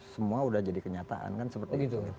semua udah jadi kenyataan kan seperti itu